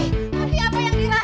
papi apa yang dirasa papi